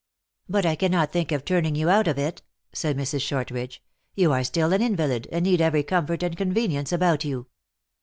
" But I cannot think of turning you out of it," said Mrs. Shortridge. " You are still an invalid, and need every comfort and convenience about you."